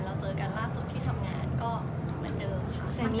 เจอกันล่าสุดที่ทำงานก็เหมือนเดิมค่ะ